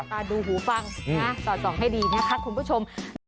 ดูหูฟังนะสอดส่องให้ดีนะคะคุณผู้ชม